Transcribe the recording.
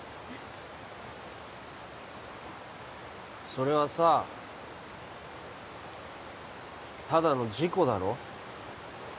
それはさただの事故だろ？